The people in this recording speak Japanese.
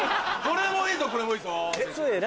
これもいいぞ。